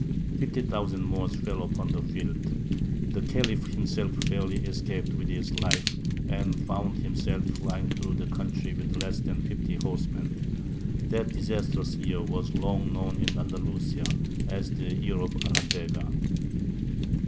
Fifty thousand Moors fell upon the field: the Khalif himself barely escaped with his life, and found himself flying through the country with less than fifty horsemen. That disastrous year was long known in Andalusia as the "Year of Alhandega."